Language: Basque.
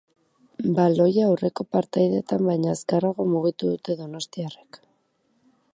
Baloia aurreko partidetan baino azkarrago mugitu dute donostiarrek.